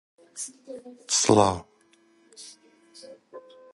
چۆن بەم دەرەنجامە گەیشتیت؟